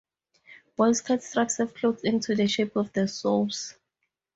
Boys cut strips of cloth into the shape of saws.